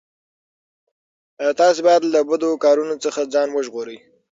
تاسو باید له بدو کارونو څخه ځان وژغورئ.